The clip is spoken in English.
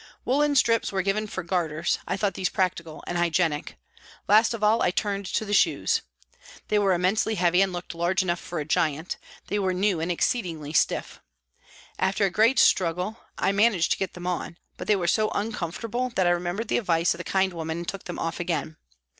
Woollen strips were given for garters ; I thought these practical and hygienic. Last of all I turned to the shoes. They were immensely heavy and looked large enough for a giant, they were new and exceedingly stiff. After a great struggle I managed to get them on, but they were so uncom fortable that I remembered the advice of the kind woman and took them off again.